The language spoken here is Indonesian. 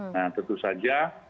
nah tentu saja